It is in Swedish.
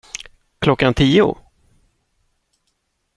Klockan tio?